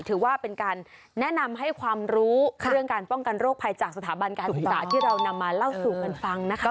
ถือว่าเป็นการแนะนำให้ความรู้เรื่องการป้องกันโรคภัยจากสถาบันการศึกษาที่เรานำมาเล่าสู่กันฟังนะคะ